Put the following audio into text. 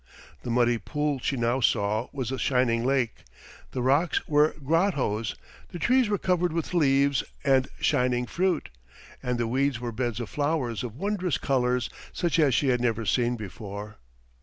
The muddy pool she now saw was a shining lake; the rocks were grottoes; the trees were covered with leaves and shining fruit, and the weeds were beds of flowers of wondrous colors, such as she had never seen before.